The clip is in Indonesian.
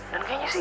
dan kayaknya sih